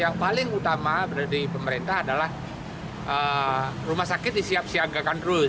yang paling utama dari pemerintah adalah rumah sakit disiapsiagakan terus